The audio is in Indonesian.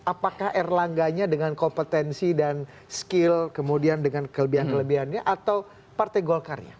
apakah erlangganya dengan kompetensi dan skill kemudian dengan kelebihan kelebihannya atau partai golkarnya